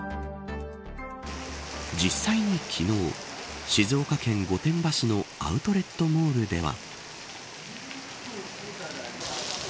実際に昨日静岡県御殿場市のアウトレットモールでは。